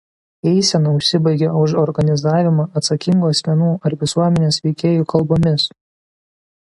Eisena užsibaigia už organizavimą atsakingų asmenų ar visuomenės veikėjų kalbomis.